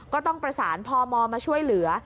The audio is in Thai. ก็ต้องประสานพมมาช่วยเหลือ